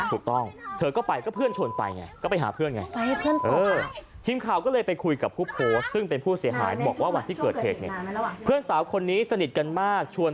ถูกต้องเธอก็ไปก็เพื่อนชวนไปไงก็ไปหาเพื่อนไง